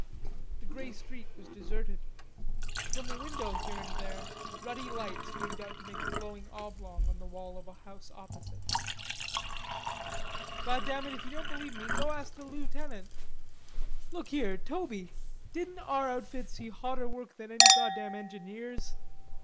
The grey street was deserted. From a window here and there ruddy light streamed out to make a glowing oblong on the wall of a house opposite. "Goddam it, if ye don't believe me, you go ask the lootenant.... Look here, Toby, didn't our outfit see hotter work than any goddam engineers?"